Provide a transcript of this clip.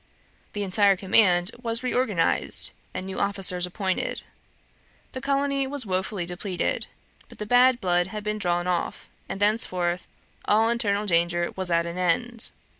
The entire command was reorganized, and new officers appointed. The colony was wofully depleted; but the bad blood had been drawn off, and thenceforth all internal danger was at an end.